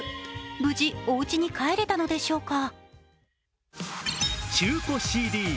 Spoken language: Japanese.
無事おうちに帰れたのでしょうか。